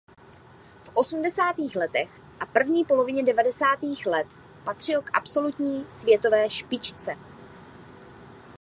V osmdesátých letech a první polovině devadesátých let patřil k absolutní světové špičce.